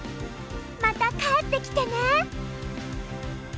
また帰ってきてね。